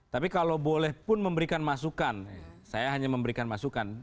tapi kalau boleh pun memberikan masukan saya hanya memberikan masukan